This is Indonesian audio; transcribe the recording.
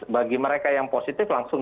bagi mereka yang positif langsung